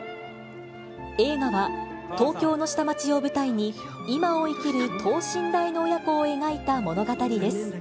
映画は、東京の下町を舞台に、今を生きる等身大の親子を描いた物語です。